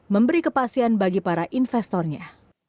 memberi kepastian bagi para investornya